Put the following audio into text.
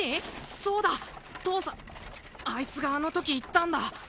そうだ父さあいつがあのとき言ったんだ